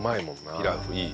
ピラフいい。